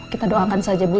kita doakan saja bu